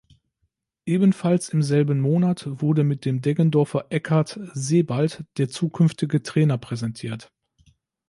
Ebenfalls im selben Monat wurde mit dem Deggendorfer Ekkehard Sebald der zukünftige Trainer präsentiert.